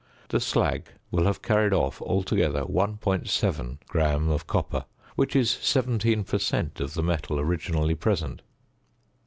The slag will have carried off altogether 1.7 gram of copper, which is 17 per cent. of the metal originally present.